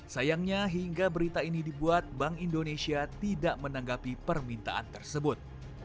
sayangnya hingga berita ini dibuat bank indonesia tidak menanggapi permintaan tersebut